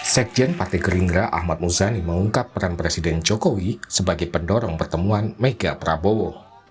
sekjen partai gerindra ahmad muzani mengungkap peran presiden jokowi sebagai pendorong pertemuan mega prabowo